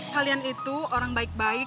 kalian itu orang baik baik